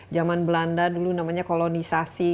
zaman belanda dulu namanya kolonisasi